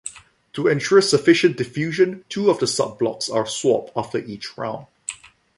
To ensure sufficient diffusion, two of the sub-blocks are swapped after each round.